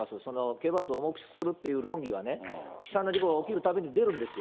刑罰を重くするという論議は、悲惨な事故が起きるたびに出るんですよ。